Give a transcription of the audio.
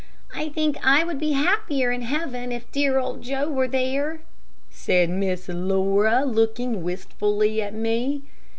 '" "I think I would be happier in heaven if dear old Joe were there," said Miss Laura, looking wistfully at me.